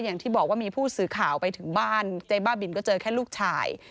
อย่างที่บอกว่ามีผู้สื่อข่าวไปถึงบ้านเจ๊บ้าบินก็เจอแค่ลูกชาย